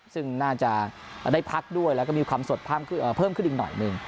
ซึ่งน่าจะได้พักด้วยแล้วก็มีความสดเพิ่มขึ้นอีกหน่อยหนึ่ง